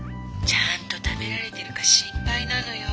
ちゃんと食べられてるか心配なのよ。